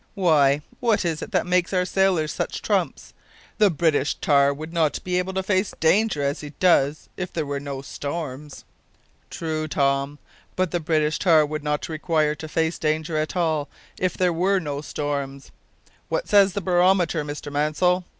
Why, what is it that makes our sailors such trumps? The British tar would not be able to face danger as he does if there were no storms." "True, Tom, but the British tar would not require to face danger at all if there were no storms. What says the barometer, Mr Mansell?"